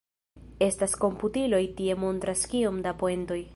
Estas komputilo tie montras kiom da poentoj.